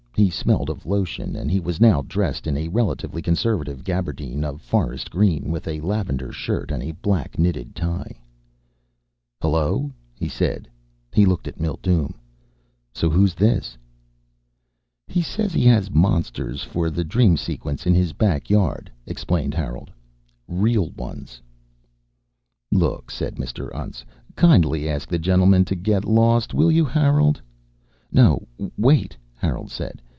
He smelled of lotion and he was now dressed in a relatively conservative gabardine of forest green with a lavender shirt and a black knitted tie. "Hello," he said. He looked at Mildume. "So who is this?" "He says he has monsters for the dream sequence in his back yard," explained Harold. "Real ones." "Look," said Mr. Untz, "kindly ask the gentleman to get lost, will you, Harold?" "No, wait," Harold said.